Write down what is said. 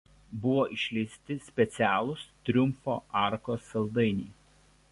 Buvo išleisti specialūs „Triumfo arkos“ saldainiai.